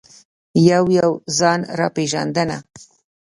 یو یو ځان را پېژانده.